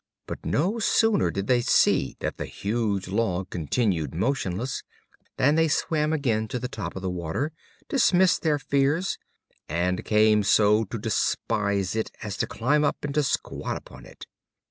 But no sooner did they see that the huge log continued motionless, than they swam again to the top of the water, dismissed their fears, and came so to despise it as to climb up, and to squat upon it.